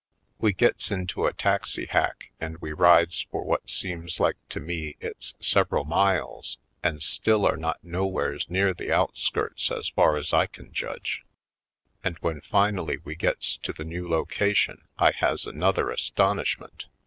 We gets into a taxihack and we rides for what seems like to me it's several miles and still are not nowheres near the outskirts as far as I can judge, and 'when finally we gets to the new location I has another as tonishment.